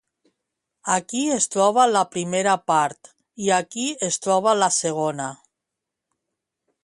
Aquí es troba la primera part i aquí es troba la segona.